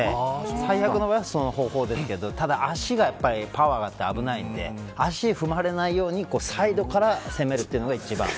最悪の場合はその方法ですけどただ、脚がパワーがあって危ないんで足を踏まれないようにサイドから攻めるのが一番。